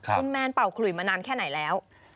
คุณแมนเป่าขลุยมานานแค่ไหนแล้ว